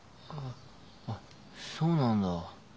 あっそうなんだ。